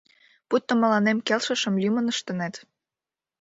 Пуйто мыланем келшышым лӱмын ыштеныт.